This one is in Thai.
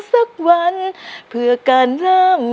เจอกับฉันและรักเรา